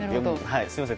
すみません